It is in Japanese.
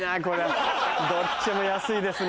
どっちも安いですね。